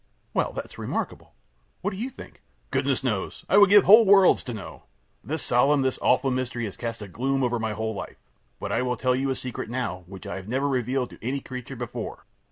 Q. Well, that is remarkable. What do you think? A. Goodness knows! I would give whole worlds to know. This solemn, this awful mystery has cast a gloom over my whole life. But I will tell you a secret now, which I never have revealed to any creature before.